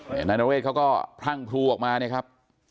นายนเรศเขาก็พรั่งพลูออกมาเนี่ยครับ